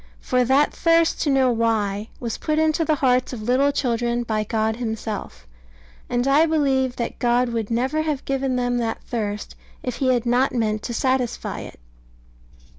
For that thirst to know why was put into the hearts of little children by God Himself; and I believe that God would never have given them that thirst if He had not meant to satisfy it.